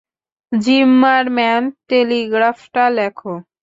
যিম্মারম্যান, টেলিগ্রাফটা লেখো।